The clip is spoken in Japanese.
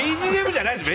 ＢＧＭじゃないです